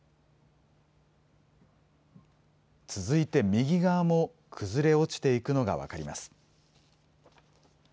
続いて、右側も崩れて落ちていくのが分かります。